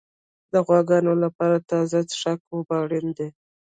د غواګانو لپاره تازه څښاک اوبه اړین دي.